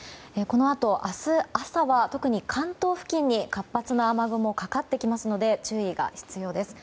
このあと、明日朝は特に関東付近に活発な雨雲がかかってきますので注意が必要です。